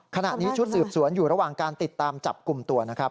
ขณะนี้ชุดสืบสวนอยู่ระหว่างการติดตามจับกลุ่มตัวนะครับ